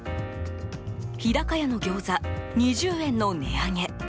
日高屋のギョーザ２０円の値上げ。